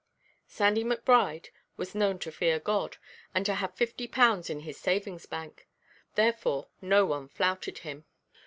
Sandy Macbride was known to fear God, and to have fifty pounds in the savings bank. Therefore no one flouted him.